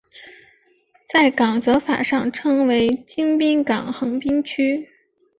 在港则法上称为京滨港横滨区。